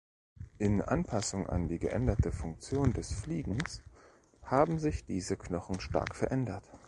In Anpassung an die geänderte Funktion des Fliegens haben sich diese Knochen stark verändert.